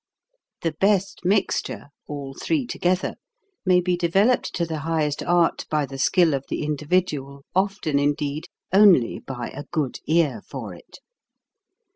The best mixture all three together may be developed to the highest art by the skill of the individual, often, indeed, only by a good ear for it.